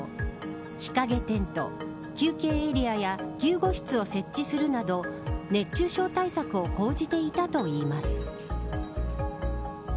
日陰テント、休憩エリアや救護室を設置するなど熱中症対策をこうじていたといいます。